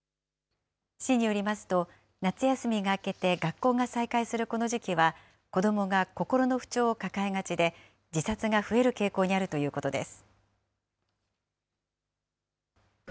市によりますと、夏休みが明けて、学校が再開するこの時期は、子どもが心の不調を抱えがちで、自殺が増える傾向にあるということです。